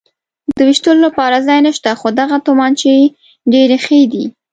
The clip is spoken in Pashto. د وېشتلو لپاره ځای نشته، خو دغه تومانچې ډېرې ښې دي.